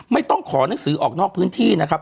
ไม่ต้องขอหนังสือออกนอกพื้นที่นะครับ